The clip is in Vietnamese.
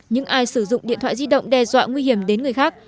những ai sử dụng điện thoại di động đe dọa nguy hiểm đến người khác